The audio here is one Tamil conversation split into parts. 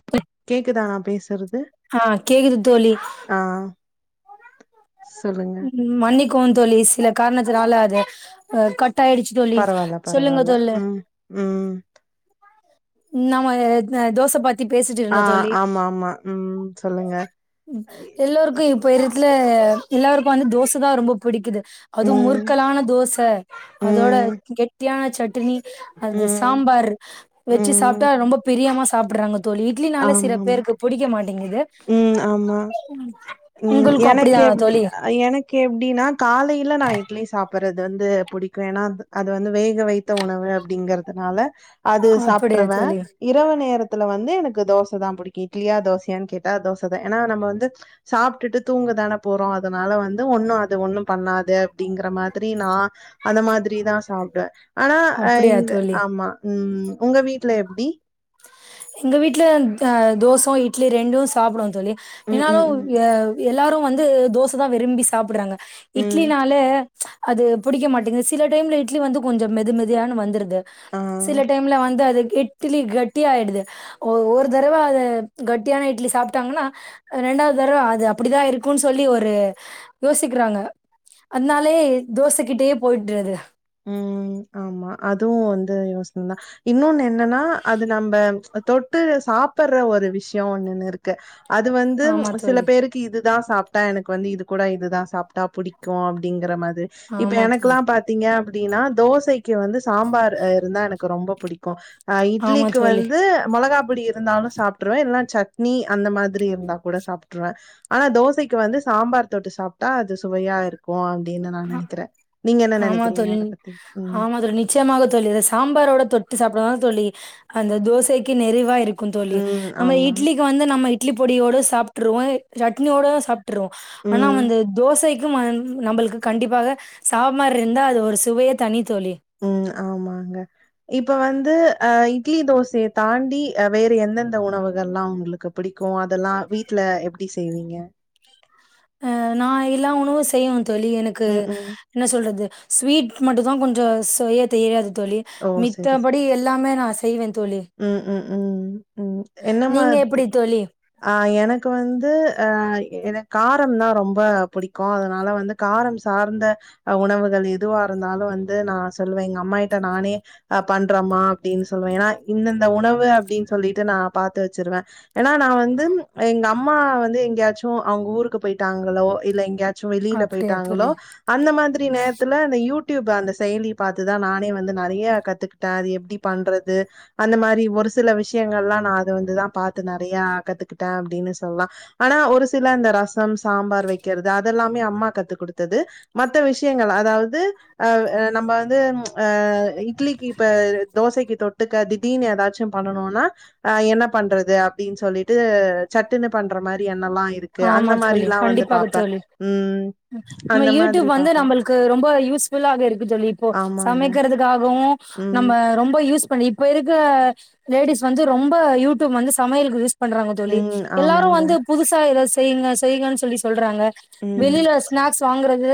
ஹலோ கேக்குதா நா பேசறது ஆ கேக்குது தோழி ஆ சொல்லுங்க மன்னிக்கவும் தோழி சில காரணத்தினால அது கட் ஆயிடுச்சு தோழி பரவால்ல சொல்லுங்க பரவால்ல தோழு ம் ம் நம்ம தோச பாத் தி பேசிட்டு ஆ இருந்தோ தோழி ஆமா ஆமா ம் சொல்லுங்க எல்லோர்க்கும் பேறத்துல எல்லாருக்கும் வந்து தோச தா ரொம்ப புடிக்குது அதும் ம் முறுக்கலான தோச அதோட ம் கெட்டியான சட்டினி அது ம் சாம்பாரு வச்சு ம் சாப்ட்டா ரொம்ப பிரியமா சாப்பிட்றாங்க தோழி இட்லினாலே சில ஆமாமா பேருக்கு புடிக்க மாட்டிங்குது ம் ஆமா உங்கள்க்கும் அப்படிதானா தோழி க்கு எப்டின்னா காலையில நா இட்லி சாப்பட்றது வந்து புடிக்கும் ஏன்னா அது வந்து வேக வை வைத்து த்த உணவு அப்படிங்கறதுனால அது அப்படியா சாப்ட்ருவே தோழி இரவு நேரத்துல வந்து எனக் கு தோச தா புடிக்கும் இட்லியா தோசயான்னு கேட்டா தோச தா ஏன்னா நம்ம வந்து சாப்ட்டுட்டு தூங்கதானே போறோ அதனால வந்து ஒண்ணு அது ஒண்ணும் பண்ணாது அப்டிங்கற மாரி த்திரி நா அந்த மாதிரி தா சாப்பிடுவே ஆனா ஆ அப்படியா இங்க தோழி ஆமா ம் ம் உங்க வீட்ல எப்டி எங்க வீட்ல தோச இட்லி ரெண்டும் சாப்பிடுவே தோழி ம் ம் என்னாலும் ம் ய எல்லாரும் வந்து தோச தா விரும்பி சாப்படுறாங்க ம் இட்லினால அது புடிக்க மாட்டேங்கது சில டைம்ல இட்லி வந்து கொஞ்சம் மெதுமெதியான வந்துருது ஆ சில டைம் உள்ள வந்து அது கெட்லி கட்டி ஆயிடுது ஒ ஒரு தடவ அத கட்டியான இட்லி சாப்பிட்டாங்கன்னா ரெண்டாவது தடவ அது அப்டிதா இருக்குன்னு சொல்லி ஒரு யோசிக்கிறாங்க அதனாலயே தோசைகிட்டயே போய்ட்டுறது ம். ஆமா அதுவு வந்து யோசனைதா இன்னொன்னு என்னன்னா அது நம்ம தொட்டு சாப்பிடுற ஒரு விஷயம் ஒன்னுன்னு இருக்கு அது வந்து ஆமா சில தோழி. பேருக் கி இதுதா சாப்ட்டா எனக்கு வந்து இது கூட இதுதா சாப்ட்டா பிடிக்கு அப்படிங்கற மாது இப்ப ஆமா தோழி. எனக்கெல்லா பாத்தீங்க அப்டின்னா தோசைக்கு வந்து சாம்பார் இருந்தா எனக்கு ரொம்ப பிடிக்கு ஆ ஆமா இட்லிக்கு தோழி. வந்து மிளகா பொடி இருந்தாலு சாப்டுருவே இல்லனா சட்னி அந்த மாதிரி இருந்தா சாப்ட்டுருவே ஆனா தோசைக்கு வந்து சாம்பார் தொட்டு சாப்ட்டா அது சுவையா இருக்கு அப்டின்னு நா ஆ நினைக்கிறே நீங்க என்ன நினைக்கிறீங்க அத பத்தி ம் அதுல நிச்சயமாக சொல்லி சாம்பாரோட தொட்டு சாப்பிடலா தோழி அந்த தோசைக்கு நிறைவா இருக் க்கு தோழி ம். நம்ம ஆமா. இட்லிக்கு வந்து நம்ம இட்லி பொடியோடு சாப்பிட்ருவோ சட்னியோடு சாப்ட் டுரு ஆனா ம். வந்து தோசைக்கு நம்மளுக்கு கண்டிப்பாக சாப்மாரி இருந்தா அது ஒரு சுவையே தனித்தோழி ம் ஆமாங்க இப்ப வந்து அ இட்லி தோசையை தாண்டி வேற எந்தெந்த உணவுகள்எல்லாம் உங்களுக்கு பிடிக்கு அதெல்லா வீட்ல எப்டி செய்வீங்க அ நா எல்லாம் உணவு செய்யவே தோழி எனக்கு ம். ம். என்ன சொல்றது ஸ்வீட் மட்டு தா கொஞ்ச செய்ய தெரியாது தோழி ஓ! சரி, சரி. மித்தபடி எல்லாமே நா செய்வே தோழி ம் ம் ம் ம் நீங்க எப்படி என்னமாதுர் தோழி? ஆ எனக்கு வந்து அ எனக்கு காரம் தா ரொம்ப பிடிக்கு அதனால வந்து காரம் சார்ந்த உணவுகள் எதுவா இருந்தாலு வந்து நா சொல்லுவே எங்க அம்மா கிட்ட நானே அ பண்றோமா அப்டின்னு சொல்லுவே ஏன்னா இந்தந்த உணவு அப்டின்னு சொல்லிட்டு நா பாத்து வச்சிருவே ஏன்னா நா வந்து எங்க அம்மா வந்து எங்கயாச்சு அவங்க ஊருக்கு போயிட்டாங்களோ இல்ல எங்கேயாச் சு வெளில அப்படியா போயிட்டாங்களோ தோழி. அந்த மாதிரி நேரத்துல அந்த யூடியூப் அந்த செயலி பாத்துதா நானே வந்து நெறைய கத்துக் கிட்ட அது எப்டி பண்றது அந்த மாரி ஒரு சில விஷயங்கள்லா நா அத வந்துதா பாத்து நெறைய கத்துக்கிட்டே அப்டின்னு சொ சொல்லலா ஆனா ஒரு சில இந்த ரசம் சாம்பார் வைக்கிறது அதெல்லாமே அம்மா கத்து கொடுத்தது மத்த விஷயங்கள் அதாவது அ நம்ம வந்து ஆ இட்லிக்கு இப்ப தோசைக்கு தொட்டுக்க தி எதாச்சு பண்ணனும்னா ஆ என்ன பண்றது அப்டின்னு சொல்லிட்டு சட்டுன்னு பண்ற மாரி எண்ணல்லா இருக் இருக்கு ஆமா அந்த தோழி. மாரில்லா வந்து கண்டிப்பாக பாபே தோழி. ம் நம்ம அந்த யூடியூப் மாதிரி வந்து பாப்பே நம்மளுக்கு ரொம்ப யூஸ்ஃபுல்லாக இருக்கு தொலி இப்போ ஆமாங்க சமைக்கிறது க்காகவு ம் நம்ம ரொம்ப யூஸ் பண் இப்ப இருக்க லேடிஸ் வந்து ரொம்ப யூ டியூப் வந்து சமையலுக்கு யூஸ் பண்றாங்க தொல்லி ம் எல்லாரு ஆமாங்க வந்து புதுசா இத செய்யுங்க செய்யுங்கன்னு சொல்லி சொல்றாங்க ம் வெளியில ஸ்நாக்ஸ் வாங்கறது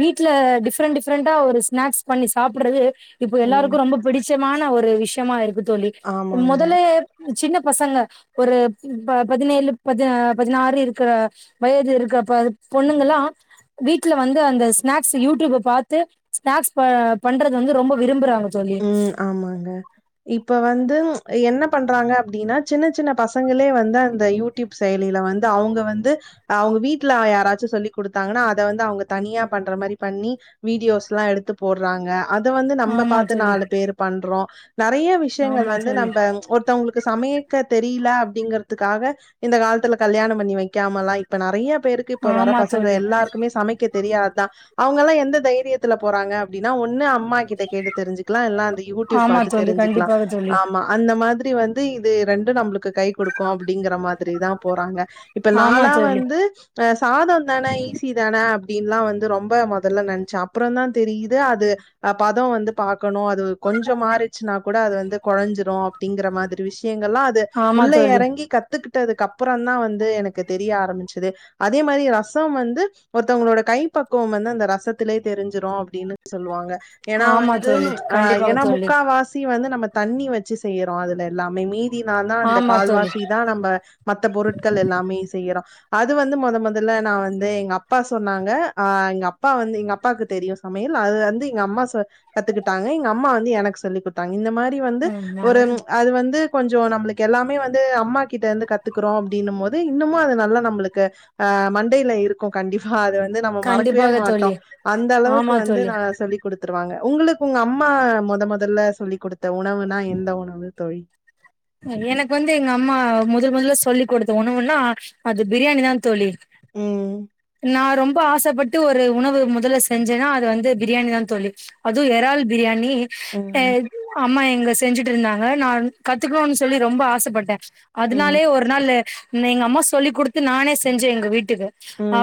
வீட்ல டிஃப்ரெண்ட் டிஃரெண்டா ஒரு ஸ்நாக்ஸ் பண்ணி சாப்புட்றது இப்போ ம் எல்லாருக்கு ரொம்ப பிடிச்சமான ஒரு விஷ்யமா இருக்கு தோல்லி ஆமாங்க மொதலே சின்ன பசங்க ஒரு இப்ப பதினேழு பதி பதினாறு இருக்கற வயது இருக்கற பொண்ணுங்கல்லா வீட்ல வந்து அந்த ஸ்நாக்ஸ் யூடியூப்ப பாத்து ஸ்நாக்ஸ் பண்றது வந்து ரொம்ப விரும்புறாங்க தொல்லி ம் ஆமாங்க இப்ப வந்து என்ன பண்றாங்க அப்டின்னா சின்ன சின்ன பசங்களே வந்து அந்த யூ டியூப் செயலில வந்து அவ்ங்க வந்து அவ்ங்க வீட்ல யாராச்சு சொல்லி கொடுத்தாங்ன்னா அத வந்து அவ்ங்க தனியா பண்ற மாரி பண்ணி வீடியோஸ் ல்லா எடுத்து போட்றாங்க அத வந்து நம்ம ஆமா பாத் தோழி பேரு பண்றோ நிறைய விஷயங்கள் ஆமா வந்து தோழி நம்ம ஒருத்தவ்ங்ளு கு சமையேக்க தெரியில அப்டிங்கறதுக்காக இந்த காலத்துல கல்யாணம் பண்ணி வைக்காமல்லா இப்ப நிறைய பேருக்கு இப்ப வர ஆமா பசங்க தோழி எல்லாருக் க்குமே சமைக்க தெரியாதுதா அவங்கல்லா எந்த தைரியத்துல போறாங்க அப்டின்னா ஒன்னு அம்மா கிட்ட கேட்டு தெரிஞ்சு க்லா எல்லா அந்த யூடியூப் ஆமா பாத்து தோழி தெரிஞ்சுக்கலா கண்டிப்பாக தோழி ஆமா அந்த மாதிரி வந்து இது ரெண்டு நம்ளுக்கு கை கொடுக்கு அப்டிங்கிற மாதிரி தா போறாங்க இப்ப ஆமா நாலா தோழி வந்து அ சாதோ தான ஈசி சிதானே அப்டின்லா வந்து ரொம்ப முதல்ல நினைச்சே அப்புறோ தா தெரியுது அது பதோ வந்து பாக் க்கணு அது கொஞ்சோ மாறிச்சுனா கூட அது வந்து குழைஞ்சிரு அப்டிங்கற மாதிரி விஷயங்கள்லா அது ஆமா உள்ள தோழி எறங்கி கத்துக்கிட்டதுக்கு அப்புறம்தா வந்து எனக்கு தெரிய ஆரம்பிச்சுது அதே மாரி ரசம் வந்து ஒருத்தவங்களோட கை பக்குவம் வந்து அந்த ரசத்திலயே தெரிஞ்சிரு அப்டின்னு சொல்லுவாங்க ஏன்னா வந் ஆமா ந்து தோழி ஆ கண்டிப்பாக ஏன்னா தோழி முக்காவா வாசி வந்து நம்ம தண்ணி வச்சு செய்யறோ அதுல எல்லாமே மீதி நாள் தா அந்த ஆமா தோழி கால்வாசி தா நம்ம மத்த பொருட்கள் எல்லாமே செய்யறோ அது வந்து மொத மொதல்ல நா வந்து எங்க அப்பா சொன்னாங்க ஆ எங்க அப்பா வந்து எங்க அப்பாக்கு தெரியு சமையல் அதுலந்து எங்க அம்மா ச கத்துக்கிட்டாங்க எங்க அம்மா வந்து எனக்கு சொல்லி கொடுத்தாங்க இந்த மாரி வந்து ஆமா ஒரு அது வந்து கொஞ்சோ நம்ளுக்கு எல்லாமே வந்து அம்மாக்கிட்டே இருந்து கத்துக்குறோ அப்டின்னும் போது இன்னமு அது நல்லா நம்ளுக்கு ஆ மண்டையில இருக் கு கண்டிப்பா அத வந்து நம்ம மறக்கவே கண்டிப்பாக மாட்டோ தோழி அந்த அளவுக்கு ஆமா வந்து தோழி நா சொல்லி கொடுத்துருவாங்க உங்களுக்கு உங்க அம்மா மொத மொதல்ல சொல்லி கொடுத்த உணவுனா எந்த உணவு தோழி எனக்கு வந்து எங்க அம்மா முதல் முதல்ல சொல்லிக் கொடுத்த ஒணவுன்னா அது பிரியாணி தா தோழி ம் ம் நான் ரொம்ப ஆசப்பட்டு ஒரு உணவு முதல்ல செஞ்சேன்னா அது வந்து பிரியாணி தா தோழி அது எரால் பிரியாணி அ ம் அம்மா எங்கள செஞ்சுட்டு இருந்தாங்க நான் கத்துக்கணுனு சொல்லி ரொம்ப ஆசப்பட்டே ம் அதுனாலே ஒரு நாளு எங்க அம்மா சொல்லி கொடுத்து நானே செஞ்சே எங்க வீட் டுகு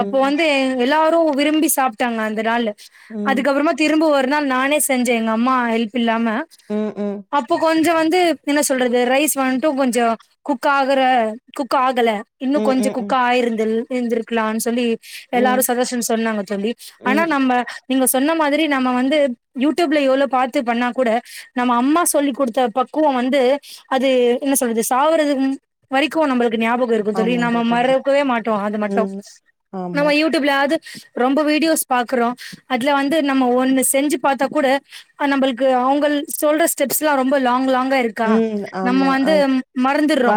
அப்போ வந்து எல்லாரு விரும்பி சாப்ட்டாங்க அந்த ராலு ம் அதுக்கப்புறமா திரும்ப ஒரு நாள் நானே செஞ்சே எங்க அம்மா ஹெல்ப் இல்லாம ம் ம் அப்போ கொஞ்ச வந்து என்ன சொ என்ன சொல்றது ரைஸ் வந்துட்டும் கொஞ்சம் குக் ஆகுற குக் ஆகல இன்னும் கொஞ்சம் ம் ம் குக்கா ஆயிருந்த இருந்திருக்கலான்னு சொல்லி ம் எல்லாரும் சஜஷன் சொன்னாங்க தோழி ஆனா ம் நம்ம நீங்க சொன்ன மாதிரி நம்ம வந்து யூடியூப்ல எவ்ளோ பாத்து பண்ணா கூட நம்ம அம்மா சொல்லி் குடுத்த பக்குவம் வந்து அது என்ன சொல்றது சாவரது வரைக்கும் நம்மளுக்கு ஞாபகம் இருக்கும் தோழி ஆமாங்க நம்ம கண்டிப்பா மறக்கவே மாட்டோம் அது மட்டும் ம் ஆமா நம்ம யூடியூப்லாது ரொம்ப வீடியோஸ் பாக்குறோ அதுல வந்து நம்ம ஒண்ணு செஞ்சு பாத்தா கூட நம்மளுக்கு அவங்கள் சொல்ற ஸ்டெப்ஸ்ல்லா ரொம்ப லாங் லாங்கா இருக்கு ம் நம்ம ஆமா வந்து அது மறந்துர்றோ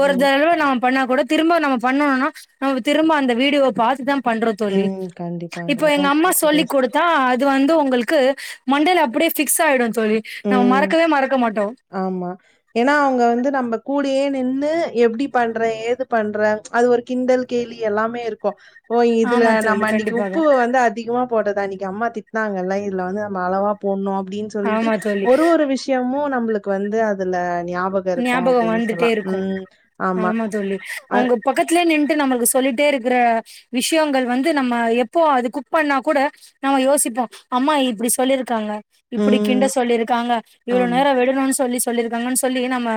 ஒரு தடவ நம் பண்ணா கூட திரும்ப நம்ம பண்ணுன்னா நம்ம திரும்ப அந்த வீடியோவ பாத்து தா பண்றோ தோழி ம் கண்டிப்பாங்க இப்ப எங்க அம்மா ரொம்ப சொல்லி் சரியா குடுத்தா சொன்னீங்க அது அது வந்து உங்களுக்கு மண்டைல அப்டியே ஃபிக்ஸ் ஆயிடும் தோழி நம்ம ம் மறக்கவே மறக்க மாட்டோ ஆமா ஏன்னா அவங்க வந்து நம்ம கூடே நின்னு எப்டி பண்ற ஏது பண்ற அது ஒரு கிண்டல் கேலி எல்லாமே இருக்கும் ஓ இதுல ஆமா தோழி நம்ம அன்னைக்கு கண்டிப்பாக உப்பு வந்து அதிகமா போட்டத அன்னைக்கு அம்மா திட்டனாங்கல்ல இதுல வந்து நம்ம அளவா போடணும் அப்டின்னு சொல்லிட்டு ஆமா தோழி ஒரு விஷயமும் நம்மளுக்கு வந்து அதுல ஞாபகம் இருக்கும் ஞாபகம் அப்படின்னு வந்துட்டே சொல்லலாம். இருக்கும் ம். ஆமா தோழி அ அவங்க பக்கத்துலே நின்றுட்டு நம்மளுக்கு சொல்லிட்டே இருக்கிற விஷயங்கள் வந்து நம்ம எப்போ அது குக் பண்ணா கூட நம்ம யோசிப்போ அம்மா இப்டி சொல்லிருக்காங்க இப்டி கிண்ட ம். சொல்லிருக்காங்க இவ்வள ஆமா. நேரோ விடணுன்னு சொல்லி சொல்லியிருக்காங்கன்னு சொல் சொல்லி நம்ம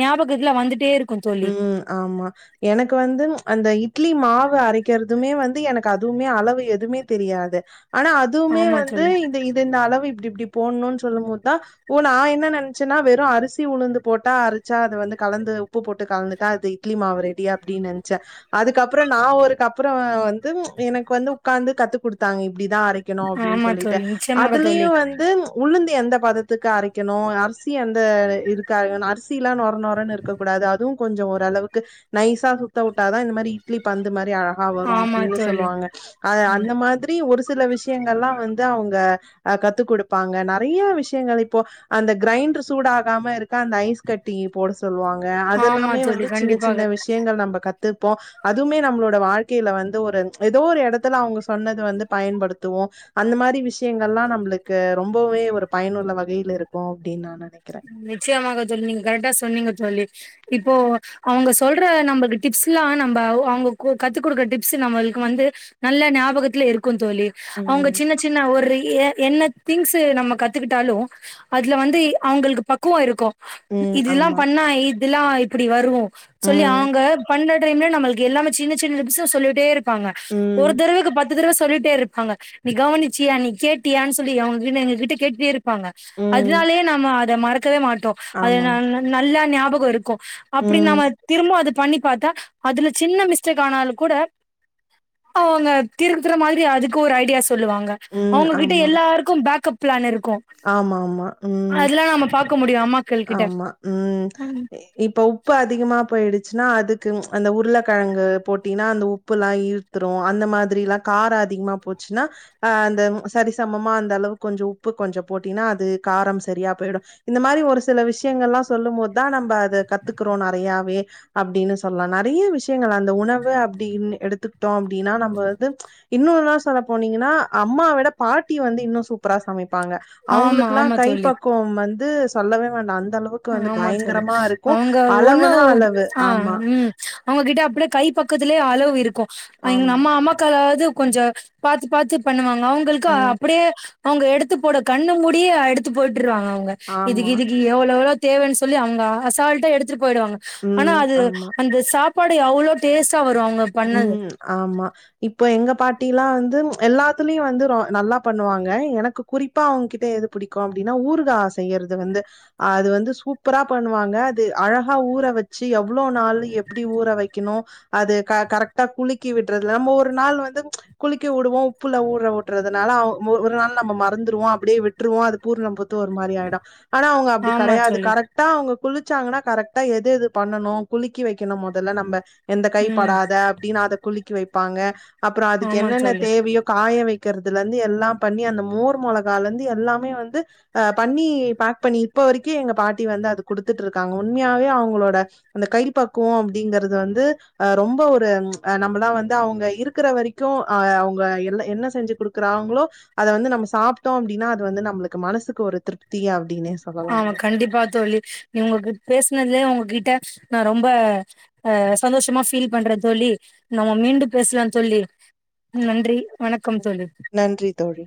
ஞாபகத்துல வந்துட்டே இருக்க ம் ஆமா எனக்கு வந்து அந்த இட்லி மாவு அரைக்கிறதுமே வந்து எனக்கு அதுவுமே அளவு எதுமே தெரியாது ஆனா அதுமே ஆமா வந்து தோழி இந்த இது இந்த அளவு இப்டி இப்டி போடணுன்னு சொல்லும் போதுதா ஓ நா என்ன நெனைச்சேன்னா வெறும் அரிசி, உளுந்து போட்டா அரிச்சா அது வந்து கலந்து உப்பு போட்டு கலந்துட்டா அது இட்லி மாவு ரெடி அப்பிடினு நெனச்சே அதுக்கப்றோ நா ஒரு அப்பறோ வந்து எனக்கு வந்து உட்காந்து கத்து குடுத்தாங்க இப்டிதா அரைக்க க்கணும் அப்டின்னு ஆமா சொல்லிட்டு தோழி நிச்சயமாக தோழி அதுலயும் வந்து ந்து உளுந்து எந்த பதத்துக்கு அரைக்கனும் அரிசி எந்த இதுக்கு அரைக்கும் அரிசில்லா நொர நொரன்னு இருக்க கூடாது அதுவும் கொஞ்சம் ஓரளவுக்கு நைசா சுத்த விட்டாதா இந்த மாரி இட்லி பந்து மாரி ஆ ஆ வரும் ஆமா அப்டின்னு தோழி சொல்லுவாங்க அது ம் அந்த மாதிரி ஒரு சில விஷயங்கல்லா வந்து அவங்க ஆ கத்து குடுப்பாங்க நறைய விஷயங்கள் இப்போ அந்த கிரைண்டர் சூடாகாம இருக்க அந்த ஐஸ் கட்டி போட சொல்லுவாங்க ங்க ஆமா அதெல்லாமே தோழி வந்து சின்ன கண்டிப்பாக சின்ன விஷயங்கள் நம்ம கத்துருப்போ அதுவுமே நம்மளோட வாழ்க்கையில வந்து ஒரு ஏதோ ஒரு எடத்துல அவங்க சொன்னது வந்து பயன்படுத்துவோ அந்த மாரி விஷயங்கல்லா நம்மளுக்கு ரொம்பவே ஒரு பயனுள்ள வகையில இருக்கும் அப்டின்னாங்க நிச்சயமாக தோழி நீங்க கரெக்டா சொன்னீங்க தோழி இப்போ அவங்க சொல்ற நம்மளுக்கு டிப்ஸ்ல்லா நம்ம அவங்க கத்து குடுக்கற டிப்ஸ் நம்மளுக்கு வந்து நல்ல ஞாபகத்துல இருக்கும் தோழி அவுங்க ம் சின்ன சின்ன ஒரு என்ன திங்ஸ்ஸு நம்ம கத்துக்கிட்டாலு அதுல வந்து அவுங்களுக்கு பக்குவோ இருக்கு ம். இதெல்லா ஆமா. பண்ணா இதுலா இப்டி வரு சொல்லி ம். அவங்க பண்ற டைம்ல நம்மளுக்கு எல்லாமே சின்ன சின்ன டிப்ஸ் சொல்லிட்டே இருப் பாங்க ஒரு ம். தடவைக்கு பத்து தடவ சொல்லிட்டே இருப்பாங்க நீ கவனிச்சியா நீ கேட்டியான் சொல்லி அவங்க கிட்ட எங்க கிட்ட கேட்டுட்டே இருப்பாங்க ம். அதனாலயே நா அத மறக்கவே மாட்டோ அது ஆமாங்க. நல்லா ஞாபகோ இருக்கு அப்டி ம். நாம திரும்ப அது பண்ணி பாத்தா அதுல சின்ன மிஸ்டேக் ஆனாலு கூட அவுங்க திருத்துற மாதிரி அதுக்கு ஒரு ஐடியா சொல்லுவாங்க ம். அவுங்ககிட்ட எல்லாருக்கு பேக்கப் பிளான் இருக்கு ஆமா ஆமா அதுலா நம்ம பாக்க முடியு ஆமா ஆமா ம் இப்ப உப்பு அதிகமா போயிடுச்சின்னா அதுக்கு அந்த உருளக்கெழங்கு போட்டின்னா அந்த உப்பெல்லா ஈர்த் துரு அந்த மாதிரில்லா காரோ அதிகமா போச்சின்னா ஆ அந்த சரிசமமா அந்த அளவுக்கு கொஞ்சோ உப்பு கொஞ்சோ போட்டினா அது காரம் சரியா போயிடு இந்த மாரி ஒரு சில விஷயங்கல்லா சொல்லும் போதுதா நம்ம அத கத்துக்குறோ நெறையாவே அப்டின்னு சொல்லலா நெறைய விஷயங்கள் அந்த உணவு அப்டின்னு எடுத்துக்கிட்டோ அப்டின்னா நம்ம வந்து இன்னு எல்லா சொல்ல போனீங்கன்னா அம்மாவ விட பாட்டி வந்து இன்னு சூப்பரா சமைப்பாங்க ஆமா அவுங்களுக்குல்லா ஆமா கை தோழி பக்குவம் வந்து சொல்லவே வேண்டா அந்த அளவுக்கு வந்து ஆமா தோழி பயங்கரமா இருக்கும். அவங்க ஒண்ணு அளவுனா அளவு. ஆ ஆமா, ம் அவுங்ககிட்ட அப்டியே கை பக்கத்துலயே அளவு இருக்கு எங்க ஆமா. அம்மா அம்மாக்காவது கொஞ்ச பாத்து பாத்து பண்ணுவாங்க அவுங்களுக்கு ம். அப்டியே அவுங்க எடுத்து போட கண்ணு மூடிய எடுத்து போட்ருவாங்க அவுங்க இதுக்கு ஆமா. இதுக்கு எவ்ளோவ்ளோ தேவன்னு சொல்லி அவுங்க அசால்ட்டா எடுத்துட்டு போயிடுவாங்க ஆனா ம். அது ஆமா. அந்த சாப் பாடு அவ்ளோ டேஸ்டா வரு அவுங்க ம் ஆமா இப்போ எங்க பாட்டில்லா வந்து எல்லாத்துலயு வந்து ரொ நல்லா பண்ணுவாங்க எனக்கு குறிப்பா அவுங்ககிட்ட எது புடிக்கு அப்டின்னா ஊறுகா செய்யறது வந்து அது வந்து சூப்பரா பண்ணுவாங்க அது அழகா ஊற வச்சி எவ்ளோ நாளு எப்டி ஊற வைக்கனு அது க கரெக்டா குலிக்கி விட்றது நம்ம ஒரு நாள் வந்து குலிக்கி வுடுவோ உப்புல ஊற உட்றதுனால ஒரு நாள் நம்ம மறந்துருவோ அப்டியே விட் ருவோ அது பூர்ண பூத்து ஒரு மாரி ஆய்டு ஆனா அவுங்க அப்டி ஆமா கெடையாது தோழி கரெக்ட் டா அவுங்க குளிச்சாங்கன்னா கரெக்டா எது எது பண்ணனு குலுக்கி வைக்கணு மொதல்ல நம்ம எந்த கை ம் படாத அப்டின்னு அத குலுக்கி வைப்பாங்க அப்பறோ அதுக்கு ஆமா என்னென்ன தோழி தேவையோ காய வைக் கிறதுல இருந்து எல்லா பண்ணி அந்த மோர் மொளகாலேந்து எல்லாமே வந்து ஆ பண்ணி பேக் பண்ணி இப்ப வரைக்கு எங்க பாட்டி வந்து அது குடுத்துட்ருக்காங்க உண்மையாவே அவுங்ளோட அந்த கை பக்குவோ அப்டிங்கிறது வந்து ஆ ரொம்ப ஒரு நம்மல்லா வந்து அவுங்க இருக்கிற வரைக்கு அ அவுங்க எல்லா என்ன செஞ்சி குடுக்குறாங்ளோ அத வந்து நம்ம சாப்ட்டோ அப்டின்னா அது வந்து நம்ளுக்கு மனசுக்கு ஒரு திருப்தி அப்டின்னே ஆமா சொல்லலாங்க கண்டிப்பா தோழி நீங்க இப்ப பேசினதுலயே ஒங்ககிட்ட நா ரொம்ப ஆ சந்தோஷமா ஃபீல் பண்றே தோழி நம்ம மீண்டு பேசலா தோழி நன்றி வணக்கம் தோழி நன்றி தோழி